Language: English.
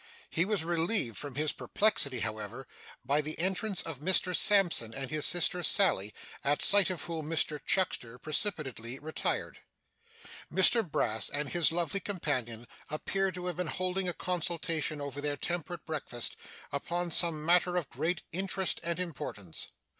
He was relieved from his perplexity, however, by the entrance of Mr Sampson and his sister, Sally, at sight of whom Mr Chuckster precipitately retired. Mr Brass and his lovely companion appeared to have been holding a consultation over their temperate breakfast, upon some matter of great interest and importance.